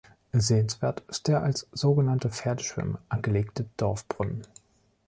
Sehenswert ist der als so genannte Pferdeschwemme angelegte Dorfbrunnen.